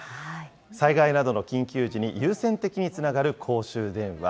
災害などの緊急時に優先的につながる公衆電話。